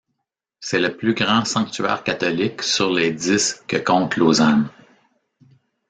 C’est le plus grand sanctuaire catholique sur les dix que compte Lausanne.